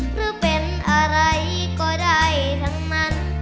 หรือเป็นอะไรก็ได้ทั้งนั้น